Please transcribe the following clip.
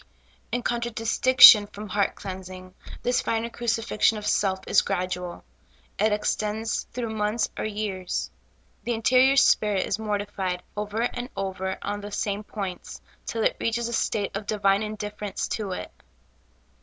In contradistinction from heart cleansing, this finer crucifixion .of self is gradual ; it extends through months or 3^eais : the interior spirit is mortified over and over on the same points, till it reaches a state of divine indifference to it.